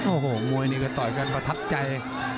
โอ้โหมวยนี่ก็ต่อยกันประทับใจ